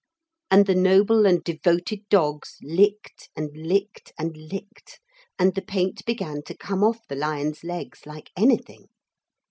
And the noble and devoted dogs licked and licked and licked, and the paint began to come off the lions' legs like anything.